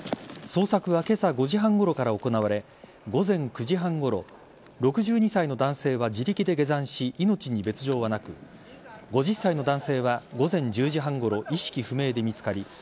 捜索は今朝５時半ごろから行われ午前９時半ごろ６２歳の男性は自力で下山し命に別条はなく５０歳の男性は午前１０時半ごろ意識不明で見つかり